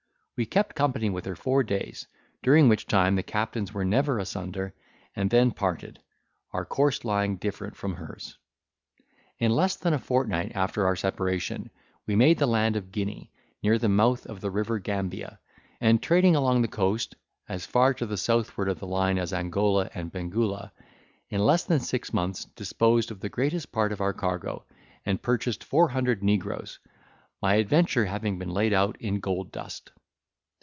We kept company with her four days, during which time the captains were never asunder, and then parted, our course lying different from hers. In less than fortnight after our separation, we made the land of Guinea, near the mouth of the River Gambia; and trading along the coast as far to the southward of the Line as Angola and Bengula, in less than six months disposed of the greatest part of our cargo, and purchased four hundred negroes, my adventure having been laid out in gold dust.